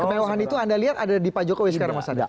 kemewahan itu anda lihat ada di pak jokowi sekarang mas adi